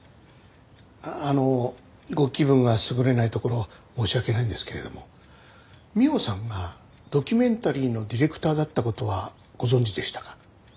あのご気分が優れないところ申し訳ないんですけれども美緒さんがドキュメンタリーのディレクターだった事はご存じでしたか？